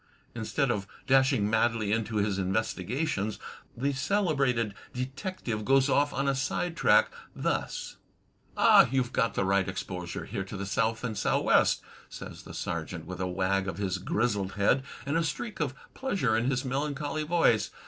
Instead of dashing madly into his "investigations" the celebrated detective goes off on a side track thus: "Ah, you've got the right exposure here to the south and sou'west/' says the Sergeant, with a wag of his grizzled head, and a streak of pleasure in his melancholy voice.